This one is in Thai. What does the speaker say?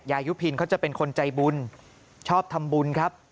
ยุพินเขาจะเป็นคนใจบุญชอบทำบุญครับ